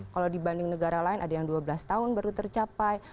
kalau dibanding negara lain ada yang dua belas tahun baru tercapai